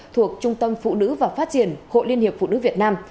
thuộc trung tâm phụ nữ và phát triển hội liên hiệp phụ nữ việt nam